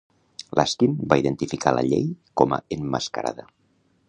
Laskin va identificar la llei com a emmascarada.